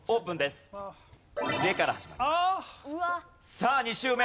さあ２周目。